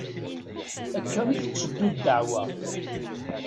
Akka i tetteddu ddeɛwa.